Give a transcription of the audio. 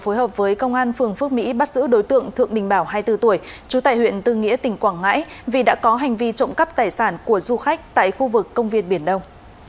phối hợp với công an phường phước mỹ bắt giữ đối tượng thượng đình bảo hai mươi bốn tuổi trú tại huyện tư nghĩa tỉnh quảng ngãi vì đã có hành vi trộm cắp tài sản của du khách tại khu vực công viên biển đông